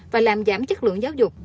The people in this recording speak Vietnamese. và làm giảm chất lượng giáo dục